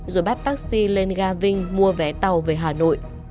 rồi bắt taxi lên ga vinh mua vé tàu về hà nội